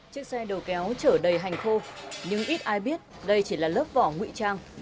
chiếc xe đầu kéo chở đầy hành khô nhưng ít ai biết đây chỉ là lớp vỏ ngụy trang